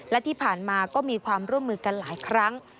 และที่ผ่านมาก็มีความร่วมมือกันหลายครั้ง